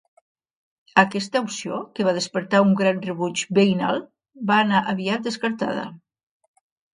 Aquesta opció, que va despertar un gran rebuig veïnal, va anar aviat descartada.